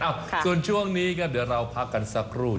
เอ้าส่วนช่วงนี้ก็เดี๋ยวเราพักกันสักรุ่ง